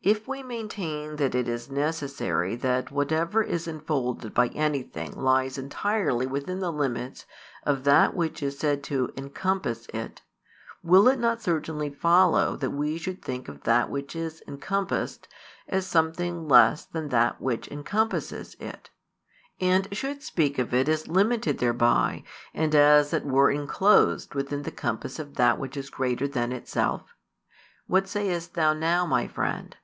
If we maintain that it is necessary that whatever is enfolded by anything lies entirely within the limits of that which is said to "encompass" it, will it not certainly follow that we should think of that which is "encompassed" as something less than that which "encompasses" it, and should speak of it as limited thereby, and as it were enclosed within the compass of that which is greater than itself? What sayest thou now, my friend?